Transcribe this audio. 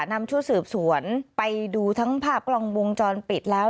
ชั่วสืบสวนไปดูทั้งภาพกล้องวงจรปิดแล้ว